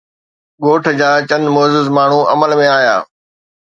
ڳوٺ جا چند معزز ماڻهو عمل ۾ آيا.